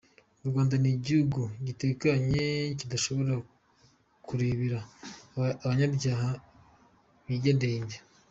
U Rwanda ni igihugu gitekanye kidashobora kurebera umunyabyaha yidegembya.